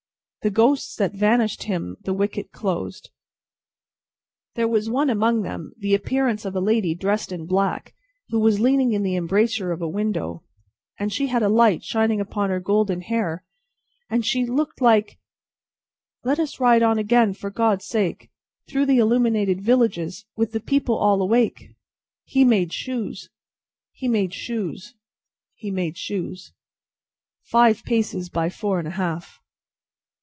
"The ghosts that vanished when the wicket closed. There was one among them, the appearance of a lady dressed in black, who was leaning in the embrasure of a window, and she had a light shining upon her golden hair, and she looked like Let us ride on again, for God's sake, through the illuminated villages with the people all awake! He made shoes, he made shoes, he made shoes. Five paces by four and a half."